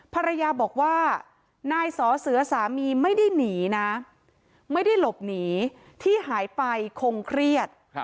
ภรรยาบอกว่านายสอเสือสามีไม่ได้หนีนะไม่ได้หลบหนีที่หายไปคงเครียด